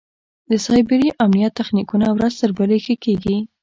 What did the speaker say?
د سایبري امنیت تخنیکونه ورځ تر بلې ښه کېږي.